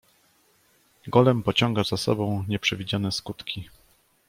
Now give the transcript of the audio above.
"Golem pociąga za sobą nieprzewidziane skutki."